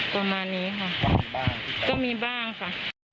ประมาณนี้ค่ะบ้างก็มีบ้างค่ะ